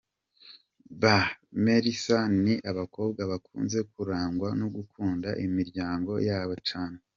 Ba Melissa ni abakobwa bakunze kurangwa no gukunda imiryango yabo cyane,.